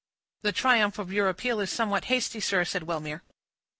"The triumph of your appeal is somewhat hasty, sir," said Wellmere.